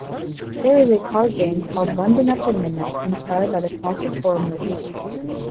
There is a card game called London After Midnight, inspired by classic horror movies.